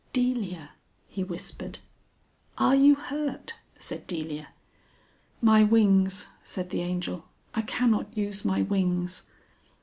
"Delia!" he whispered. "Are you hurt?" said Delia. "My wings," said the Angel. "I cannot use my wings."